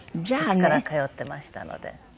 うちから通ってましたので。